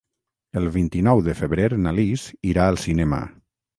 El vint-i-nou de febrer na Lis irà al cinema.